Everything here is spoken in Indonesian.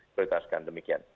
ketua skan demikian